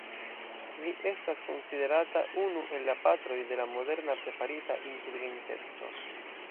Li estas konsiderata unu el la patroj de la moderna artefarita inteligenteco.